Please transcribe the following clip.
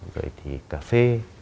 rồi thì cà phê